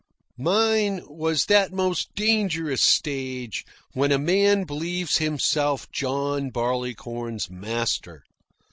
Mine was that most dangerous stage when a man believes himself John Barleycorn's master.